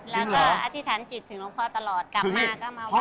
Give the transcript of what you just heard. แล้วก็อธิษฐานจิตถึงหลวงพ่อตลอดกลับมาก็มาไหว้